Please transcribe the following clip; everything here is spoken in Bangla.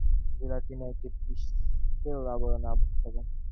কতগুলো ফিলামেন্ট বেশ ঘনিষ্ঠভাবে অবস্থান করে জিলাটিনের একটি পিচ্ছিল আবরণে আবদ্ধ থাকে।